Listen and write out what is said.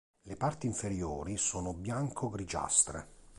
Le parti inferiori sono bianco-grigiastre.